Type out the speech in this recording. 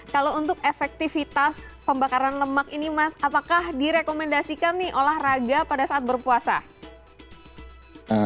kalau untuk efektivitas pembakaran lemak ini mas apakah direkomendasikan nih olahraga pada saat berpuasa